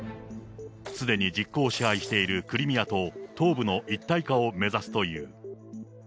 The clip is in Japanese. すでに実効支配しているクリミアと東部の一体化を目指すという。